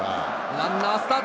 ランナー、スタート。